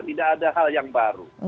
tidak ada hal yang baru